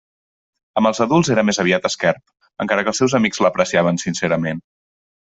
Amb els adults era més aviat esquerp, encara que els seus amics l'apreciaven sincerament.